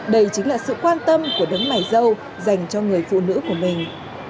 đây chính là sự quan tâm của đấng mải dâu dành cho người phụ nữ của mình